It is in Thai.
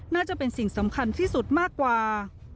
น่าจะเป็นสิ่งสำคัญที่สุดมากกว่า